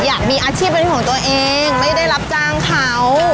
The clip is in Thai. อยากมีอาชีพเป็นของตัวเองไม่ได้รับจ้างเขา